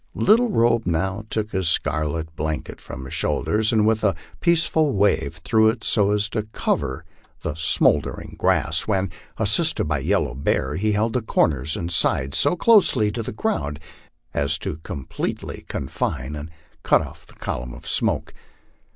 Little Robe now took his scarlet blanket from his shoulders, and with a graceful wave threw it so as to cover the smouldering grass, when, assisted by Yellow Bear, he held the corners and sides so closely to the ground as to almost completely confine and cut off the column of smoke.